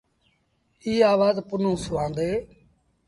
ايٚ آوآز پنهون سُوآندي۔